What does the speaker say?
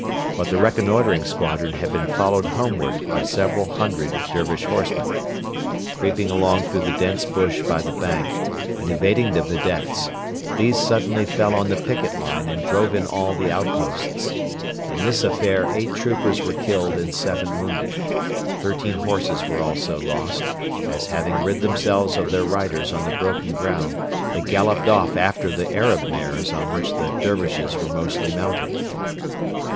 But the reconnoitring squadron had been followed homeward by several hundred Dervish horsemen. Creeping along through the dense bush by the bank and evading the vedettes, these suddenly fell on the picket line and drove in all the outposts. In this affair eight troopers were killed and seven wounded. Thirteen horses were also lost, as, having rid themselves of their riders on the broken ground, they galloped off after the Arab mares on which the Dervishes were mostly mounted.